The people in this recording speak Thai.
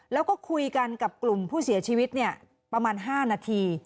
แล้วก็คุยกันกับกลุ่มผู้เสียชีวิตประมาณ๕นาที